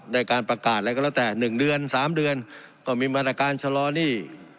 ในการประกาศอะไรก็แล้วแต่๑เดือน๓เดือนก็มีมาตรการชะลอหนี้